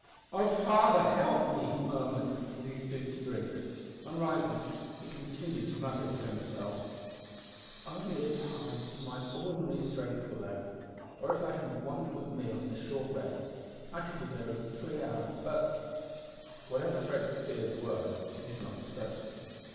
"Oh! Father, help me!" he murmured, as he stooped to drink. On rising, he continued to mutter to himself, "If only a tithe of my ordinary strength were left, or if I had one good meal and a short rest, I could be there in three hours; but " Whatever Fred's fears were, he did not express them.